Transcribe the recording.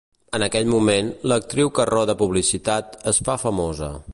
En aquell moment, l'actriu que roda publicitat, es fa famosa.